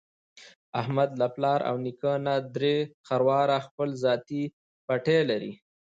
احمد له پلار او نیکه نه درې خرواره خپل ذاتي پټی لري.